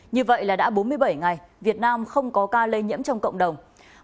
như vậy là đã bốn mươi bảy ngày việt nam không có ca lây nhiễm trong cộng đồng